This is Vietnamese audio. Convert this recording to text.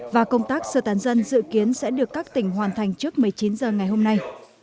và công tác sơ tán dân dự kiến sẽ được các tỉnh hoàn thành trước một mươi chín h ngày hôm nay